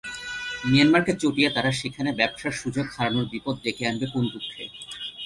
মিয়ানমারকে চটিয়ে তারা সেখানে ব্যবসার সুযোগ হারানোর বিপদ ডেকে আনবে কোন দুঃখে।